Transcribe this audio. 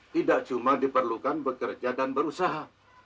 tidak cuma diperlukan bekerja dan berusaha